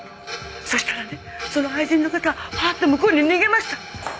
そしたらねその愛人の方はパーッと向こうに逃げました。